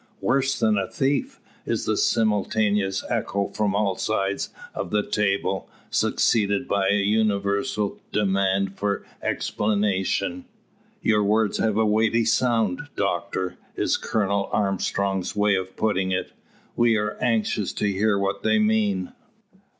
"Worse than a thief!" is the simultaneous echo from all sides of the table, succeeded by a universal demand for explanation. "Your words have a weighty sound, doctor," is Colonel Armstrong's way of putting it. "We are anxious to hear what they mean."